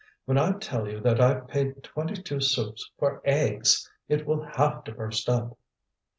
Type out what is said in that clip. "When I tell you that I've paid twenty two sous for eggs! It will have to burst up."